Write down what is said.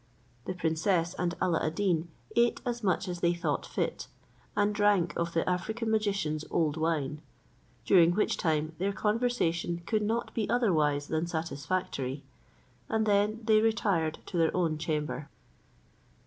The princess and Alla ad Deen ate as much as they thought fit, and drank of the African magician's old wine; during which time their conversation could not be otherwise than satisfactory, and then they retired to their own chamber.